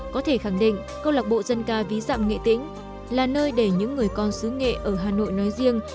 có thể khẳng định câu lạc bộ dân ca ví dạm nghệ tĩnh là nơi để những người con xứ nghệ ở hà nội nói riêng